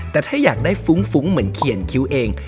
แต่ถ้าอยากได้ฟุ้งเหมือนเขียนคิ้วเอง